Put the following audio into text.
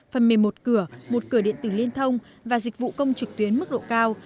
phần mềm một cửa một cửa điện tử liên thông và dịch vụ công trực tuyến mức độ cao